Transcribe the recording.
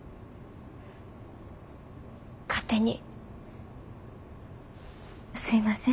勝手にすいません。